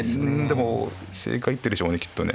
でも正解一手でしょうねきっとね。